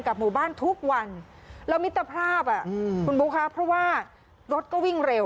หมู่บ้านทุกวันแล้วมิตรภาพอ่ะอืมคุณบุ๊คะเพราะว่ารถก็วิ่งเร็ว